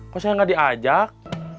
kok saya gak diajak